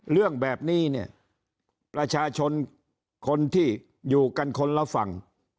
เรื่องแบบนี้เนี่ยประชาชนคนที่อยู่กันคนละฝั่ง